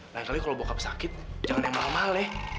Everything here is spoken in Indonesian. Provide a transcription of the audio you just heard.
lain kali kalau bokap sakit jangan yang mahal mahal ya